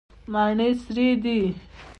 مڼې سرې دي.